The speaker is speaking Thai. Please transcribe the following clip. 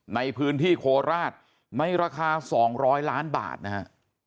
ในพื้นที่โคราชในราคา๒๐๐ล้านบาทนะฮะ